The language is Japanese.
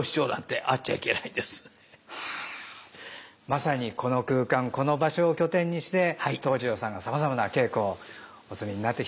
まさにこの空間この場所を拠点にして東次郎さんがさまざまな稽古をお積みになってきたわけなんですけども。